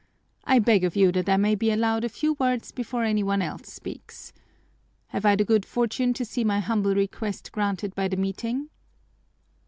I beg of you that I may be allowed a few words before any one else speaks. Have I the good fortune to see my humble request granted by the meeting?"